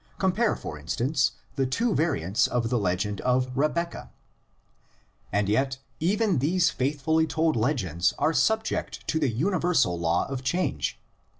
Compare, for instance, the two variants of the legend of Rebeccah. And yet even these faithfully told legends are subject to the universal law of change.